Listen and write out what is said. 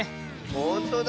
ほんとだ。